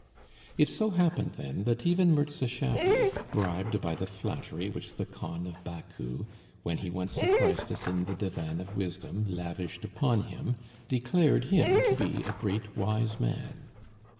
It so happened then that even Mirza Schaffy, bribed by the flattery which the Khan of Baku, when he once surprised us in the Divan of Wisdom, lavished upon him, declared him to be a great Wise Man.